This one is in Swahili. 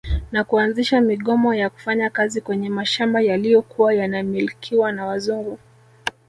Na kuanzisha migomo ya kufanya kazi kwenye mashamba yaliyokuwa yanamilkiwa na wazungu